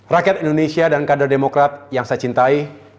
rakyat indonesia dan kader demokrat yang saya cintai